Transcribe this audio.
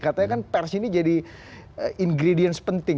katanya kan pers ini jadi ingredients penting